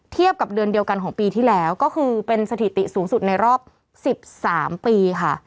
เทียบกับเดือนเดียวกันของปีที่แล้วก็คือเป็นสถิติสูงสุดในรอบ๑๓ปีค่ะ